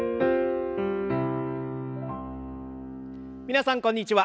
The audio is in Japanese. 皆さんこんにちは。